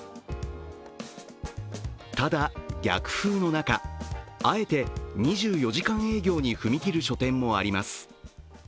ただ、逆風の中あえて２４時間営業に踏み切る書店もあります。